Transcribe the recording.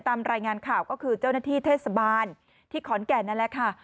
ตามรายงานข่าวก็คือเจ้าหน้าที่เทศบาลที่ขอนแก่นนั่นแหละค่ะ